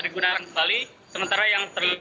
digunakan kembali sementara yang